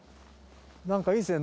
なんかいいですね。